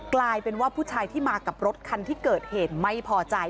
กลายเป็นว่าผู้ชายที่มากับรถคันที่เกิดเหตุไม่พอใจ